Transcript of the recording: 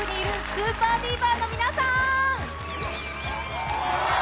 ＳＵＰＥＲＢＥＡＶＥＲです！